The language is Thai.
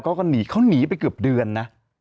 เขาก็หนีเขาหนีไปเกือบเดือนนะ